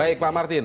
baik pak martin